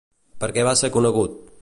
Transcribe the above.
Per què va ser conegut?